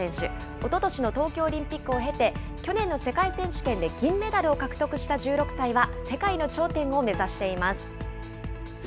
おととしの東京オリンピックを経て、去年の世界選手権で銀メダルを獲得した１６歳は、世界の頂点を目指しています。